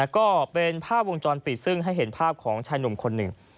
ก็เป็นภาพวงจรปิดซึ่งให้เห็นภาพของชายหนุ่มคนหนึ่ง